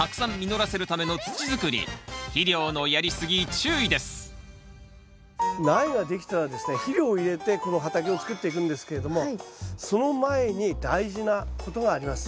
続いて苗ができたらですね肥料を入れてこの畑をつくっていくんですけれどもその前に大事なことがあります。